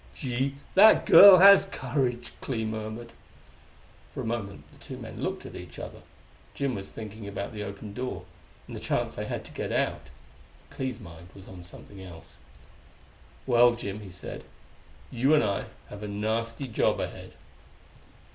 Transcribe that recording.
"Gee, that girl has courage!" Clee murmured. For a moment the two men looked at each other. Jim was thinking about the opened door, and the chance they had to get out. But Clee's mind was on something else. "Well, Jim," he said, "you and I have a nasty job ahead."